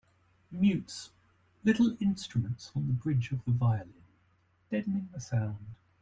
Mutes little instruments on the bridge of the violin, deadening the sound.